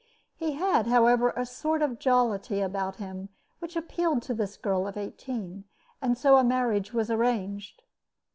He had, however, a sort of jollity about him which appealed to this girl of eighteen; and so a marriage was arranged.